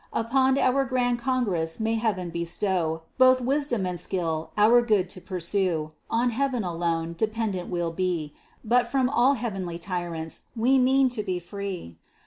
Upon our grand Congress may Heaven bestow Both wisdom and skill our good to pursue; On Heaven alone dependent we'll be. But from all earthly tyrants we mean to be free.